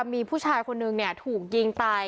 มีผู้ชายคนหนึ่งเนี่ยถูกยิงตาย